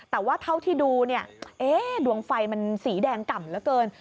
แต่ว่าเท่าที่ดูเนี่ยดวงไฟมันสีแดงกล่ำเหลือเกิน